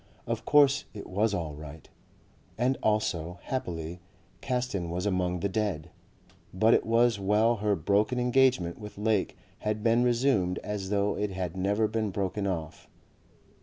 Of course it was all right. And also, happily, Caston was among the dead. But it was well her broken engagement with Lake had been resumed as though it had never been broken off.